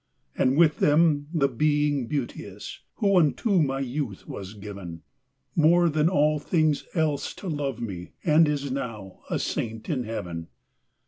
And with them the Being Beauteous, Who unto my youth was given, More than all things else to love me, And is now a saint in heaven.